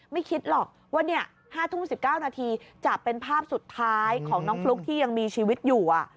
คิดหรอกว่า๕ทุ่ม๑๙นาทีจะเป็นภาพสุดท้ายของน้องฟลุ๊กที่ยังมีชีวิตอยู่